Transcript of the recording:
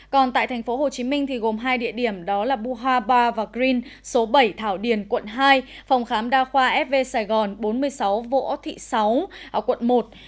còn tại tp hcm thì gồm hai địa điểm đó là bùa hoa bar và green số bảy thảo điền quận hai phòng khám đa khoa fv sài gòn bốn mươi sáu vỗ thị sáu quận một